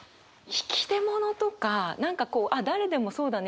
「引出物」とか何かこう誰でもそうだね